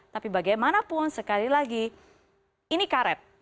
tapi bagaimanapun sekali lagi ini karet